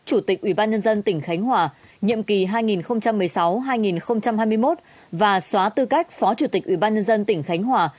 chủ tịch ubnd tỉnh khánh hòa nhiệm kỳ hai nghìn một mươi sáu hai nghìn hai mươi một và xóa tư cách phó chủ tịch ubnd tỉnh khánh hòa